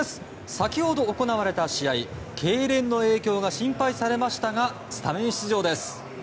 先ほど行われた試合けいれんの影響が心配されましたがスタメン出場です。